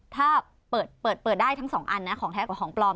ถ้าเปิดเปิดได้ทั้งสองอันนะของแท้กว่าของปลอม